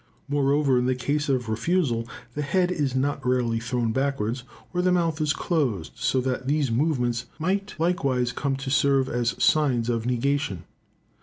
Moreover, in the case of refusal, the head is not rarely thrown backwards, or the mouth is closed, so that these movements might likewise come to serve as signs of negation.